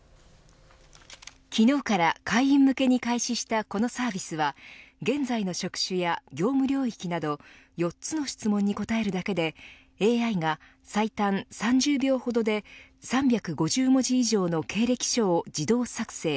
昨日から会員向けに開始したこのサービスは現在の職種や業務領域など４つの質問に答えるだけでＡＩが最短３０秒ほどで３５０文字以上の経歴書を自動作成。